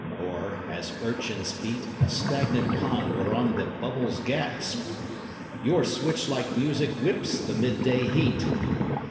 Or, as urchins beat A stagnant pond whereon the bubbles gasp, Your switch like music whips the midday heat.